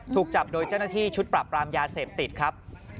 ถูกจับโดยแจ้งทิศชุดปรับรามยาเสพติดครับ